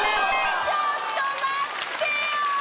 ちょっと待ってよ！